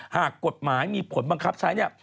หากกฎหมายมีผลบังคับใช้